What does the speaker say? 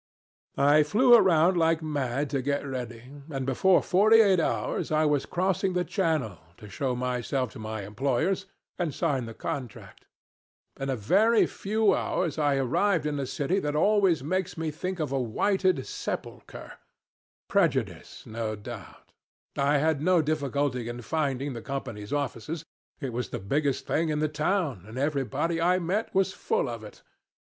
"I flew around like mad to get ready, and before forty eight hours I was crossing the Channel to show myself to my employers, and sign the contract. In a very few hours I arrived in a city that always makes me think of a whited sepulcher. Prejudice no doubt. I had no difficulty in finding the Company's offices. It was the biggest thing in the town, and everybody I met was full of it.